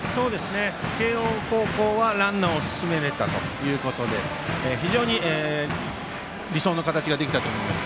慶応高校はランナーを進められたということで非常に理想の形ができたと思います。